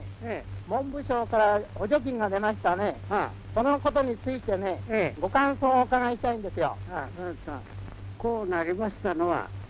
そのことについてねご感想をお伺いしたいんですよ。